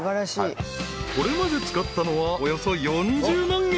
［これまで使ったのはおよそ４０万円］